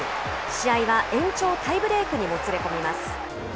試合は延長タイブレークにもつれ込みます。